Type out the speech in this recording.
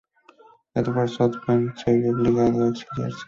Edward Snowden se vio obligado a exiliarse.